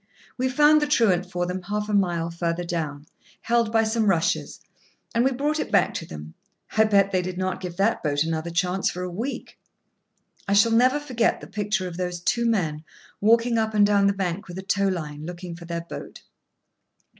We found the truant for them half a mile further down, held by some rushes, and we brought it back to them. I bet they did not give that boat another chance for a week. I shall never forget the picture of those two men walking up and down the bank with a tow line, looking for their boat.